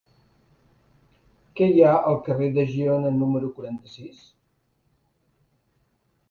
Què hi ha al carrer de Girona número quaranta-sis?